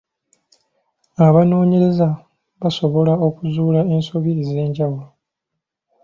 Abanoonyereza baasobola okuzuula ensobi ez’enjawulo.